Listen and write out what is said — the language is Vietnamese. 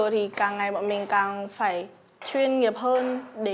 thì càng ngày bọn mình càng phải chuyên nghiệp hơn